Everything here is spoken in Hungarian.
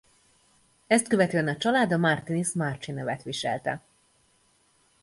Ezt követően a család a Martinis-Marchi nevet viselte.